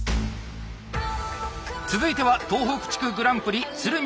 続いては東北地区グランプリ鶴見